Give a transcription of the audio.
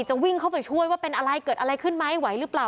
วิ่งเข้าไปช่วยว่าเป็นอะไรเกิดอะไรขึ้นไหมไหวหรือเปล่า